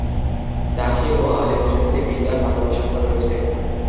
দাখিল ও আলিম শ্রেণীতে বিজ্ঞান, মানবিক শাখা রয়েছে।